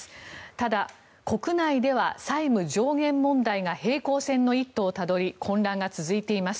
ただ、国内では債務上限問題が平行線の一途をたどり混乱が続いています。